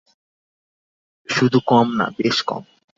শুধু কম না, বেশ কম।